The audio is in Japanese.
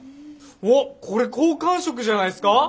おっこれ好感触じゃないすか？